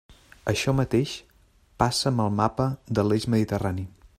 Això mateix passa amb el mapa de l'eix mediterrani.